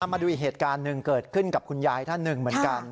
มาดูอีกเหตุการณ์หนึ่งเกิดขึ้นกับคุณยายท่านหนึ่งเหมือนกัน